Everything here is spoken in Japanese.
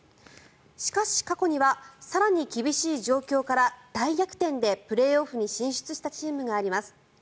しかし、過去には更に厳しい状況から大逆転でプレーオフに進出したチームがあります。